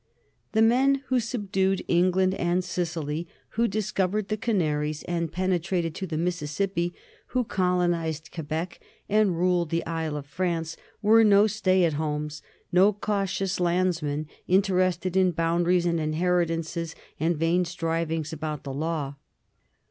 The men who subdued England and Sicily, who discovered the Canaries and penetrated to the Mississippi, who colonized Quebec and ruled the Isle of France, were no stay at homes, no cautious lands men interested in boundaries and inheritances and vain strivings about the law.